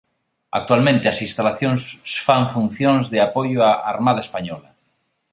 Actualmente as instalacións fan funcións de apoio á Armada Española.